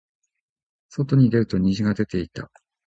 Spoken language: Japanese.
外に出ると虹が出ていた。